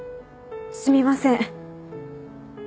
すみません。